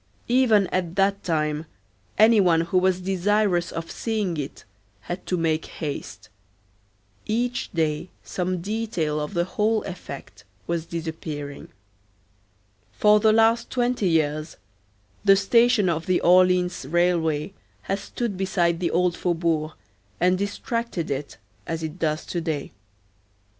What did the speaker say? Even at that time any one who was desirous of seeing it had to make haste. Each day some detail of the whole effect was disappearing. For the last twenty years the station of the Orleans railway has stood beside the old faubourg and distracted it, as it does to day.